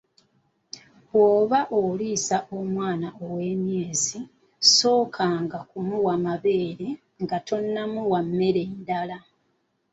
Bw'oba oliisa omwana ow'emyezi , sookanga kumuwa mabeere nga tonnamuwa mmere ndala.